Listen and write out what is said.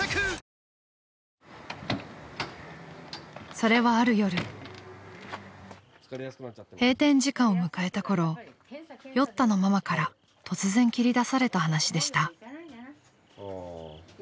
［それはある夜閉店時間を迎えたころ酔ったのママから突然切り出された話でした］